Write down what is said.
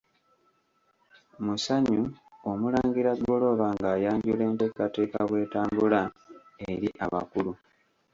Mu ssanyu Omulangira Golooba ng’ayanjula enteekateeka bw’etambula eri abakulu.